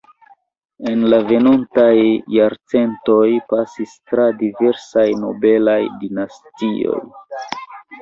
En la venontaj jarcentoj pasis tra diversaj nobelaj dinastioj.